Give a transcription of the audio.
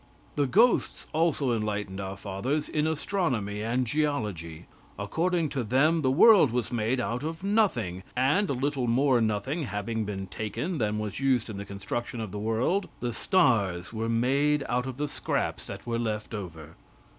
The ghosts also enlightened our fathers in astronomy and geology. According to them the world was made out of nothing, and a little more nothing having been taken than was used in the construction of the world, the stars were made out of the scraps that were left over.